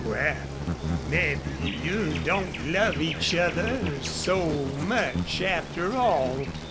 "Wal, mebbe you don't love each other so much, after all....